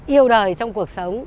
yêu đời trong cuộc sống